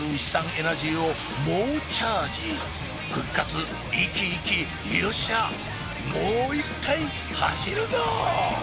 エナジーを猛チャージ復活生き生きよっしゃもう一回走るぞ！